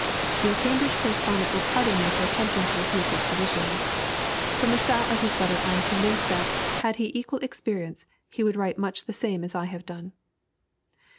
Your Cambridge correspondent will pardon me for attempting to refute his positions. From the style of his letter I am convinced that, had he equal experience, he would write much the same as I have done.